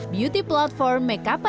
beauty platform make up an misalnya